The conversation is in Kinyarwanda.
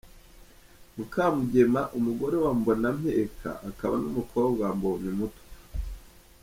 Mukamugema umugore wa Mbonampeka, akaba n’umukobwa wa Mbonyumutwa